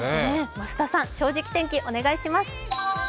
増田さん、「正直天気」お願いします。